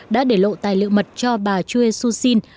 đã để lộ tài liệu mật cho bà chue sun shin